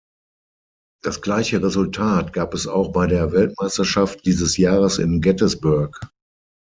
Das gleiche Resultat gab es auch bei der Weltmeisterschaft dieses Jahres in Gettysburg.